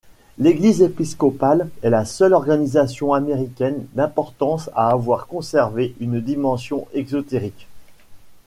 L’Église Épiscopale est la seule organisation américaine d'importance à avoir conservé une dimension ésotérique.